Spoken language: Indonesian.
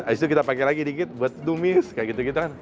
itu kita pakai lagi dikit buat dumis kayak gitu gitu kan